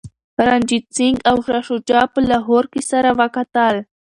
رنجیت سنګ او شاه شجاع په لاهور کي سره وکتل.